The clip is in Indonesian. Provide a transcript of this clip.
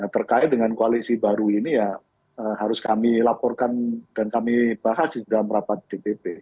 terkait dengan koalisi baru ini ya harus kami laporkan dan kami bahas di dalam rapat dpp